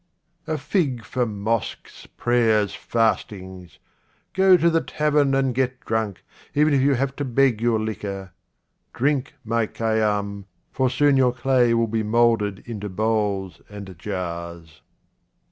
" A FIG for mosques, prayers, fastings ! go to the tavern and get drunk, even if you have to beg your liquor. Drink, my Khayyam, for soon your clay will be moulded into bowls and jars.